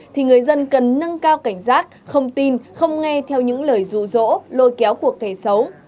thì người dân cần nâng cao cảnh giác không tin không nghe theo những lời rụ rỗ lôi kéo cuộc kẻ xấu